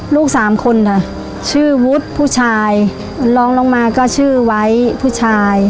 ลูกสามคนค่ะชื่อวุฒิผู้ชายร้องลงมาก็ชื่อไว้ผู้ชาย